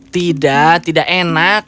tidak tidak enak